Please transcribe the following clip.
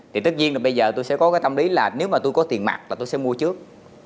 thì tất nhiên là bây giờ tôi sẽ có cái tâm lý là nếu mà tôi có tiền mặt là tôi sẽ mua trước